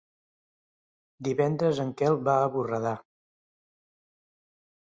Divendres en Quel va a Borredà.